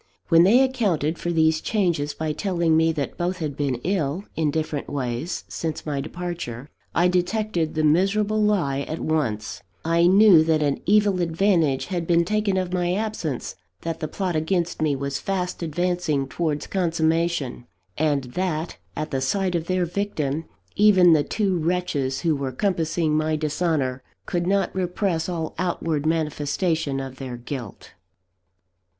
When they accounted for these changes by telling me that both had been ill, in different ways, since my departure, I detected the miserable lie at once; I knew that an evil advantage had been taken of my absence; that the plot against me was fast advancing towards consummation: and that, at the sight of their victim, even the two wretches who were compassing my dishonour could not repress all outward manifestation of their guilt.